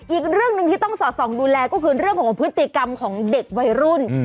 อีกเรื่องหนึ่งที่ต้องสอดส่องดูแลก็คือเรื่องของพฤติกรรมของเด็กวัยรุ่น